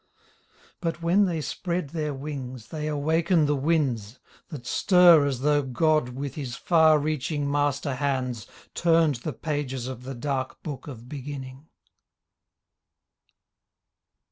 But when they spread their wings They awaken the winds That stir as though God With His far reaching master hands Turned the pages of the dark book of Beginning.